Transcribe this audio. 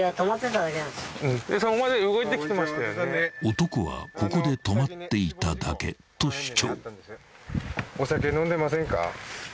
［男は「ここで止まっていただけ」と主張］